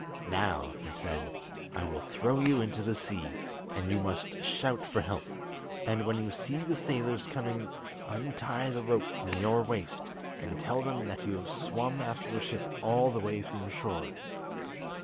"Now," he said, "I will throw you into the sea, and you must shout for help; and when you see the sailors coming untie the rope from your waist, and tell them that you have swum after the ship all the way from shore."